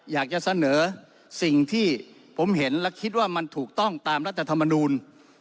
อยากจะเสนอสิ่งที่ผมเห็นและคิดว่ามันถูกต้องตามรัฐธรรมนูล